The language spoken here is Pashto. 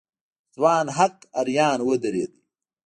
ځوان هک حيران ودرېد.